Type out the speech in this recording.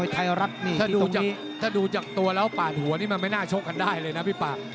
ถ้าหนูดูจากตัวเราปาดหัวเนี่ยมันไม่น่าชกกันได้เลยนะพี่ป๊า